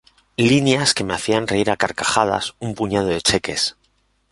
Líneas que me hacían reír a carcajadas, un puñado de cheques.